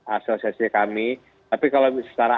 asosiasi kami tapi kalau secara